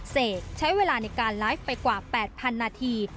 เสกใช้เวลาในการไลฟ์ไปกว่า๘๐๐นาที